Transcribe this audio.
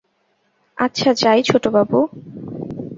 আচ্ছা, যাই ছোটবাবু।